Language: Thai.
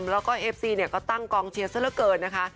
แล้วก็เอฟซีเนี่ยก็ตั้งกองเชียร์ซะละเกินนะคะ